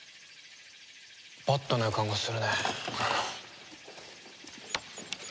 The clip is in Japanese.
バッドな予感がするね。